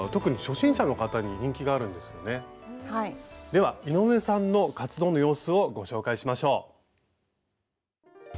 では井上さんの活動の様子をご紹介しましょう。